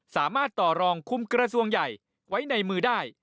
สามารถต่อรองคุมกระทรวงใหญ่ไว้ในมือได้